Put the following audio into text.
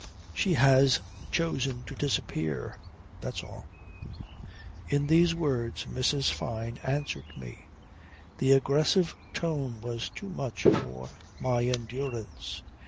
"She has chosen to disappear. That's all." In these words Mrs. Fyne answered me. The aggressive tone was too much for my endurance.